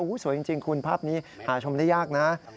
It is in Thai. สวยจริงคุณภาพนี้หาชมได้ยากนะ